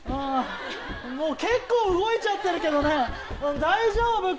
もう結構動いちゃってるけどね大丈夫？